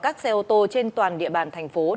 các xe ô tô trên toàn địa bàn tp hcm